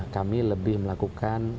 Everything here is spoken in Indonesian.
kami lebih melakukan